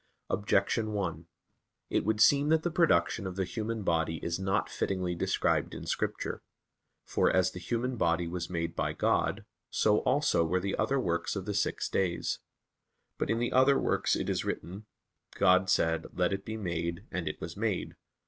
Objection 1: It would seem that the production of the human body is not fittingly described in Scripture. For, as the human body was made by God, so also were the other works of the six days. But in the other works it is written, "God said; Let it be made, and it was made."